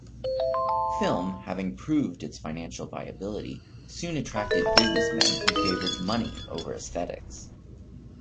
Film, having proved its financial viability, soon attracted businessmen who favoured money over aesthetics.